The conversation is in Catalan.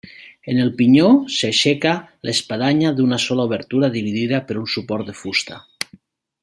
En el pinyó s'aixeca l'espadanya d'una sola obertura dividida per un suport de fusta.